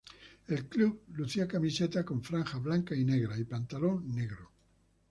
El club lucía camiseta con franjas blancas y negras y pantalón negro.